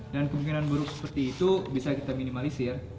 dan kemungkinan buruk seperti itu bisa kita minimalisir